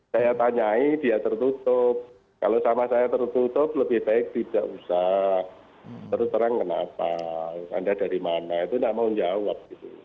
saya tanyai dia tertutup kalau sama saya tertutup lebih baik tidak usah terus terang kenapa anda dari mana itu tidak mau menjawab